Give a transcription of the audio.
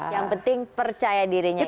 yang penting percaya dirinya